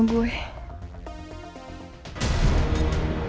syukurlah nino percaya sama gue